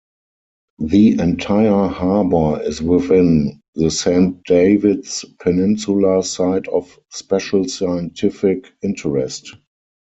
The entire harbour is within the Saint David's Peninsula Site of Special Scientific Interest.